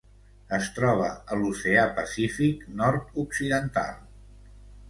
Es troba a l'Oceà Pacífic nord-occidental.